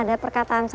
ada perkataan saya